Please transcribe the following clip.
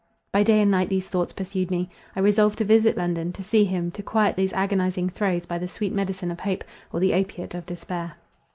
By day and night these thoughts pursued me. I resolved to visit London, to see him; to quiet these agonizing throes by the sweet medicine of hope, or the opiate of despair.